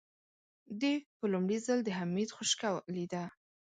دې په لومړي ځل د حميد خشکه لېده.